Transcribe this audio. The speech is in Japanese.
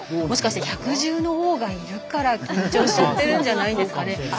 もしかして百獣の王がいるから緊張しちゃってるんじゃないですかね。